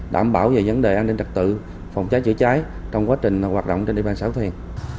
đảm bảo về vấn đề an ninh trật tự phòng trái chữa trái trong quá trình hoạt động trên địa bàn xã phước thiền